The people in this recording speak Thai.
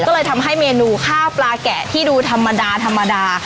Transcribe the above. ก็เลยทำให้เมนูข้าวปลาแกะที่ดูธรรมดาธรรมดา